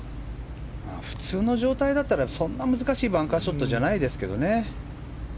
普通の状態だったらそんなに難しいバンカーショットじゃないですけどね。